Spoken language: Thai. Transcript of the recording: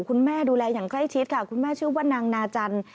คุณแม่ดูแลอย่างใกล้ชิดค่ะคุณแม่ชื่ออุบันนางนาจันทร์